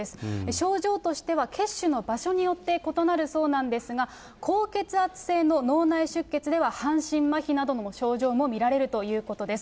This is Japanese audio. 症状としては血腫の場所によって異なるそうなんですが、高血圧性の脳内出血では、半身まひなどの症状も見られるということです。